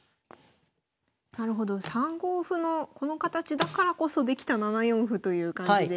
なるほど３五歩のこの形だからこそできた７四歩という感じで。